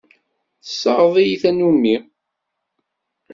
Tessaɣeḍ-iyi tannumi.